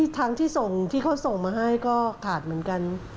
ทางที่ส่งที่เขาส่งมาให้ก็ขาดเหมือนกัน